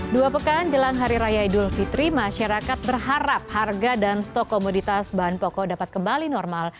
dua pekan jelang hari raya idul fitri masyarakat berharap harga dan stok komoditas bahan pokok dapat kembali normal